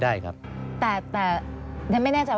อันดับที่สุดท้าย